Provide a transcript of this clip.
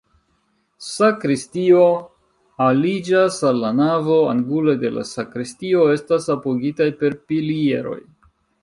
Sakristio aliĝas al la navo, anguloj de la sakristio estas apogitaj per pilieroj.